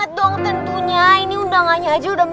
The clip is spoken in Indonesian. keren banget dong tentunya ini undangannya aja udah menang ya